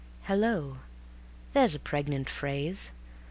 _ Hello! there's a pregnant phrase.